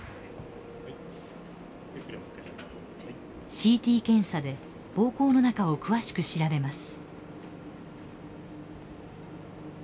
ＣＴ検査で膀胱の中を詳しく調べます。